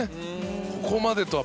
ここまでとは。